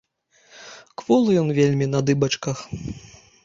Кволы ён вельмі на дыбачках.